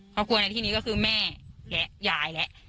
ครอบครัวในที่นี้ก็คือแม่และยายและ